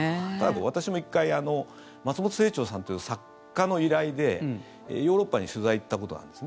私も１回松本清張さんという作家の依頼でヨーロッパに取材に行ったことがあるんです。